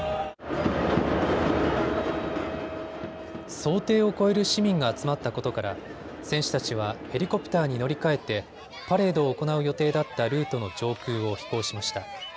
想定を超える市民が集まったことから選手たちはヘリコプターに乗り換えてパレードを行う予定だったルートの上空を飛行しました。